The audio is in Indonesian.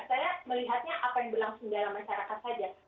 saya melihatnya apa yang berlangsung dalam masyarakat saja